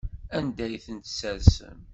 Anda ay ten-tessersem?